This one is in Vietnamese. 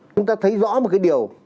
chúng ta thấy rõ một cái điều